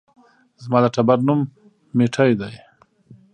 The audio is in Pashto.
زما د ټبر نوم ميټى دى